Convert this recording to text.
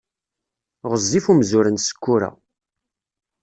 Ɣezzif umzur n Sekkura.